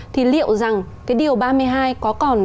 thì liệu rằng cái điều ba mươi hai có còn